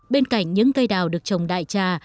bên cạnh những cây đào được trồng đại trà